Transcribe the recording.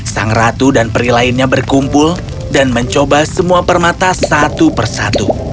sang ratu dan peri lainnya berkumpul dan mencoba semua permata satu persatu